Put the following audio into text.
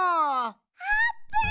あーぷん！